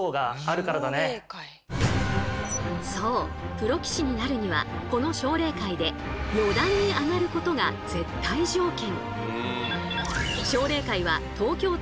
プロ棋士になるにはこの奨励会で四段に上がることが絶対条件。